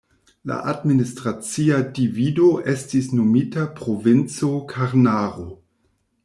La administracia divido estis nomita Provinco Karnaro.